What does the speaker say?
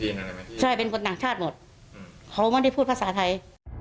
มีแต่ผู้ชายแต่รู้ว่าเป็นพวกน้องคนที่ขายผ้าคน